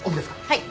はい！